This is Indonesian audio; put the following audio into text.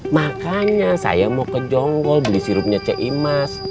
makanya saya mau ke jonggol beli sirupnya c i m a s